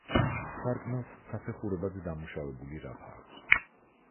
სარკმელს საფეხურებად დამუშავებული რაფა აქვს.